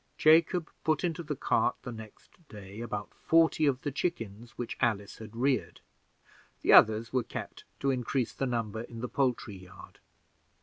Jacob put into the cart the next day about forty of the chickens which Alice had reared; the others were kept to increase the number in the poultry yard.